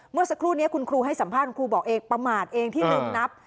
เมื่อสักครู่นี้คุณครูให้สัมภาษณ์คุณครูบอกเองประมาทเองที่โดนนับ